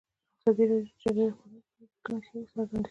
ازادي راډیو د د جګړې راپورونه په اړه د راتلونکي هیلې څرګندې کړې.